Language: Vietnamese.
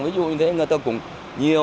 ví dụ như thế người ta cũng nhiều